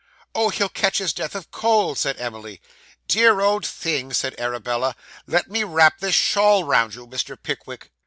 'Oh, he'll catch his death of cold,' said Emily. 'Dear old thing!' said Arabella. 'Let me wrap this shawl round you, Mr. Pickwick.